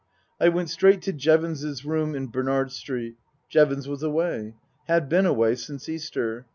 I went straight to Jevons's rooms in Bernard Street. Jevons was away. Had been away since Easter.